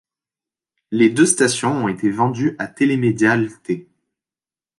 Les deux stations ont été vendues à Télémédia Ltée.